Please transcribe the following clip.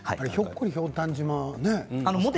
「ひょっこりひょうたん島」ね。